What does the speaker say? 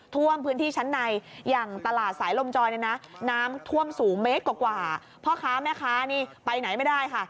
ท่วมพื้นที่ชั้นในอย่างตลาดสายลมจอยเนี่ยนะน้ำท่วมสูงเมตรกว่าพ่อค้าแม่ค้านี่ไปไหนไม่ได้ค่ะ